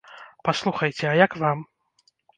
Паслухайце, а як вам?